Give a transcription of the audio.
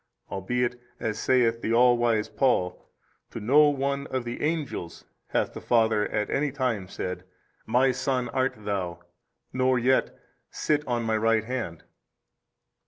albeit, as saith the all wise Paul, to no one of the angels hath the Father at any time said, My Son art THOU, nor yet, Sit on My Right Hand.